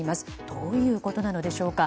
どういうことなのでしょうか？